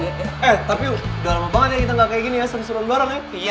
oh eh tapi udah lama banget ya kita gak kayak gini ya seru seru berdua orang ya